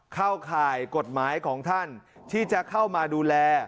ข่ายกฎหมายของท่านที่จะเข้ามาดูแล